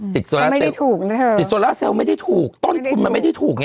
อธิบายไม่ได้ถูกติดโซลาเซลล์ไม่ได้ถูกคุณมาไม่ได้ถูกไง